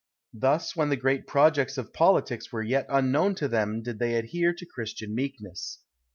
Thus, when the great projects of politics were yet unknown to them, did they adhere to Christian meekness.